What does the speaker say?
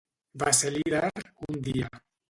Va ser líder un dia.